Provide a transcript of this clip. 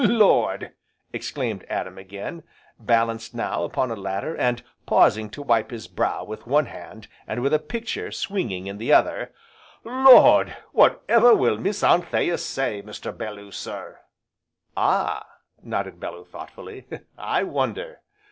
"Lord!" exclaimed Adam again, balanced now upon a ladder, and pausing to wipe his brow with one hand and with a picture swinging in the other, "Lord! what ever will Miss Anthea say, Mr. Belloo sir!" "Ah!" nodded Bellew thoughtfully, "I wonder!"